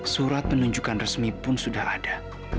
surat penunjukan resmi pun sudah ada